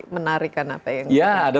menarik kan apa yang ya ada